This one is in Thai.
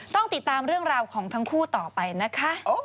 ต้องติดตามเรื่องราวของทั้งคู่ต่อไปนะคะ